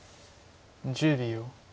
１０秒。